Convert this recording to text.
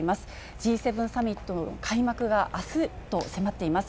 Ｇ７サミットの開幕があすと迫っています。